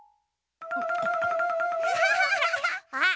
あっ！